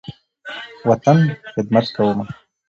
وطن، خدمت کومه